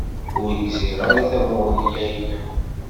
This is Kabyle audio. Ur gziɣ ara tamuɣli-ya-inem.